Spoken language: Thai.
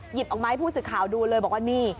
ออกมาให้ผู้สื่อข่าวดูเลยบอกว่านี่